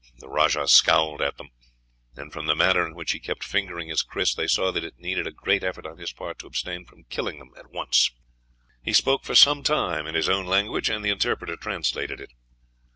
The rajah scowled at them, and from the manner in which he kept fingering his kris they saw that it needed a great effort on his part to abstain from killing them at once. He spoke for some time in his own language, and the interpreter translated it.